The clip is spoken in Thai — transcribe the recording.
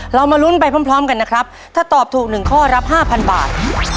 เรามาลุ้นไปพร้อมกันนะครับถ้าตอบถูกหนึ่งข้อรับห้าพันบาท